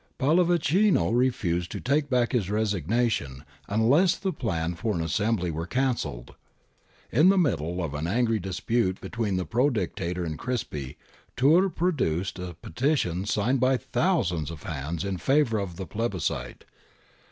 Pallavicino refused to take back his resignation unless the plan for an assembly were cancelled. In the middle of an angry dispute between the Pro Dictator and Crispi, Tiirr produced a petition signed by thousands of hands in favour of the plebiscite.